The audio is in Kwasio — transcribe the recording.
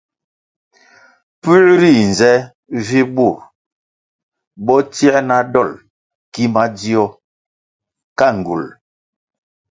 Pue rinze vi burʼ bo tsie na dolʼ ki madzio ka ngywulʼ?